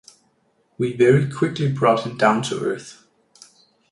We very quickly brought him down to earth.